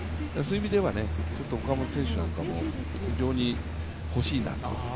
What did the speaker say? そういう意味ではね岡本選手なんかも非常に欲しいなと。